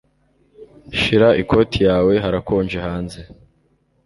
Shira ikoti yawe Harakonje hanze